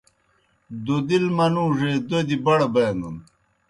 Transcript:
دوْدِل منُوڙے دوْدیْ بڑہ بینَن۔